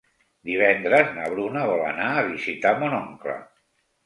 Divendres na Bruna vol anar a visitar mon oncle.